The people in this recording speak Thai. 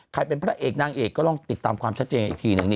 ใครเป็นพระเอกนางเอกก็ต้องติดตามความชัดเจนอีกทีหนึ่ง